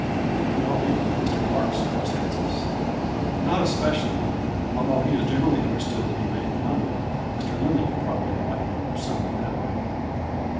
Do you know anything of Mr. Clark's circumstances ?"" Not especially, although he is generally un derstood to be making money. Mr. Lindley can probably enlighten you some in that way."